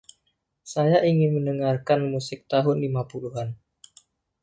Saya ingin mendengarkan musik tahun lima puluhan.